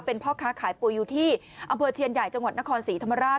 เป็นพ่อค้าขายปุ๋ยอยู่ที่อำเภอเชียนใหญ่จังหวัดนครศรีธรรมราช